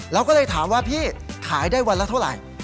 เราก็เลยถามว่าพี่ขายได้วันละเท่าไหร่